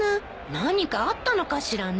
何かあったのかしらねえ。